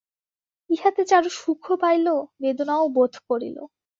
ইহাতে চারু সুখও পাইল বেদনাও বোধ করিল।